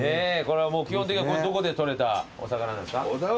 基本的にはどこで取れたお魚なんですか？